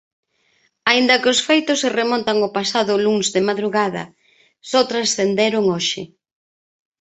Aínda que os feitos se remontan ao pasado luns de madrugada, só transcenderon hoxe.